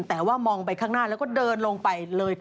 แต่ว่ามองไปข้างหน้าแล้วก็เดินลงไปเลย